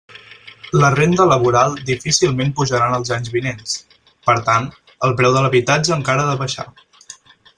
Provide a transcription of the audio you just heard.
La renda laboral difícilment pujarà en els anys vinents; per tant, el preu de l'habitatge encara ha de baixar.